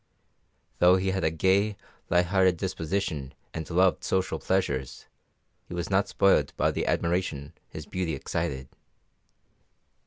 Though he had a gay, light hearted disposition and loved social pleasures, he was not spoilt by the admiration his beauty excited.